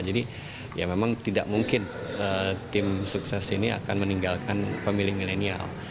jadi ya memang tidak mungkin tim sukses ini akan meninggalkan pemilih milenial